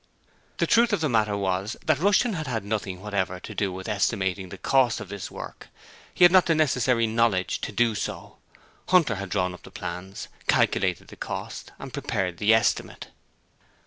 The truth of the matter was that Rushton had had nothing whatever to do with estimating the cost of this work: he had not the necessary knowledge to do so. Hunter had drawn the plans, calculated the cost and prepared the estimate.